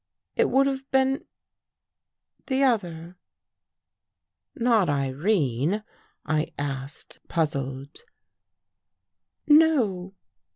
It would have been — the other." " Not Irene? " I asked, puzzled. " No.